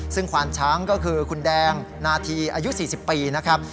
ซึ่งควานช้างก็คือคุณแดงนาธีอายุ๔๐ปีนะครับ